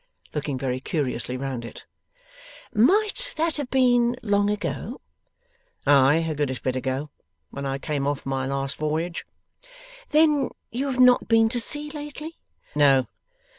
Looking very curiously round it. 'Might that have been long ago?' 'Ay, a goodish bit ago. When I came off my last voyage.' 'Then you have not been to sea lately?' 'No.